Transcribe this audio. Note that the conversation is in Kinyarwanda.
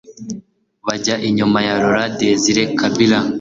bajya inyuma ya Laurent Désire Kabila